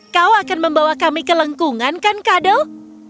kau akan membawa kami ke lengkungan kan kado